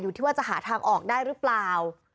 ที่ว่าจะหาทางออกได้หรือเปล่า